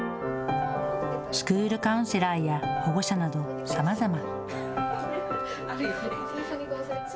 スクールカウンセラーや保護者などさまざま。